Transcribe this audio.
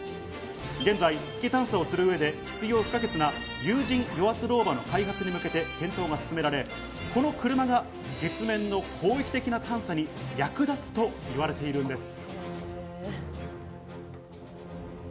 現在、月探査をする上で必要不可欠な有人与圧ローバの開発に向けて検討が進められ、この車が月面の広域的な探査に役立つといわれているんです。